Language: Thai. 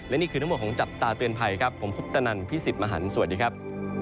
และนี่คือทั้งหมดของจับตาเตือนภัยครับผมคุปตนันพี่สิทธิ์มหันฯสวัสดีครับ